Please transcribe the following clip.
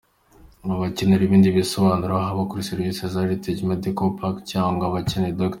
Abakenera ibindi bisobanuro haba kuri Serivisi za Heritage Medical Park cyangwa abakeneye Dr.